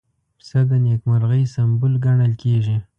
پسه د نېکمرغۍ سمبول ګڼل کېږي.